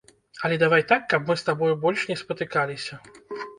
Але давай так, каб мы з табою больш не спатыкаліся.